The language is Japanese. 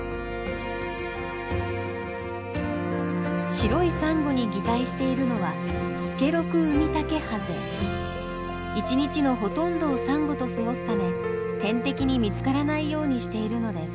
白いサンゴに擬態しているのは一日のほとんどをサンゴと過ごすため天敵に見つからないようにしているのです。